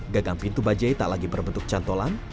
gagang pintu bajai tak lagi berbentuk cantolan